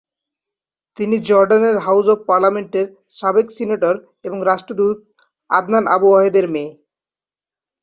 তিনি জর্ডানের house of পার্লামেন্টের সাবেক সিনেটর এবং রাষ্ট্রদূত আদনান আবু-অদেহের মেয়ে।